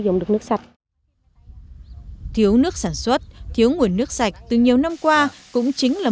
dụng được nước sạch thiếu nước sản xuất thiếu nguồn nước sạch từ nhiều năm qua cũng chính là